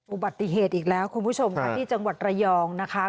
อุบัติเหตุอีกแล้วคุณผู้ชมค่ะที่จังหวัดระยองนะคะ